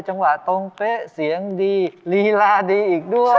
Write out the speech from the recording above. จังหวะตรงเป๊ะเสียงดีลีลาดีอีกด้วย